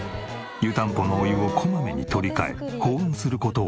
湯たんぽのお湯をこまめに取り換え保温する事丸２日。